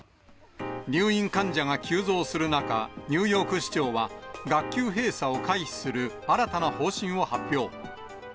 入院患者が急増する中、ニューヨーク市長は、学級閉鎖を回避する新たな方針を発表。